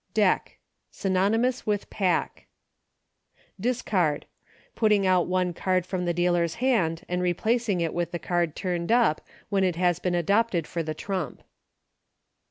Deck. Synonymous with Pack. Discard. Putting out one card from the dealer's hand, and replacing it with the card turned up, when it has been adopted for the trump.